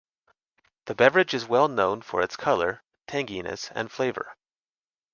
The beverage is well known for its color, tanginess and flavor.